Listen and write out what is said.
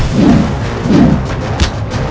anda juga mungkin